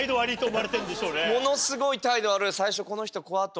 ものすごい態度悪い。